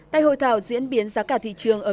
tại hội thảo diễn biến giá cả thị trường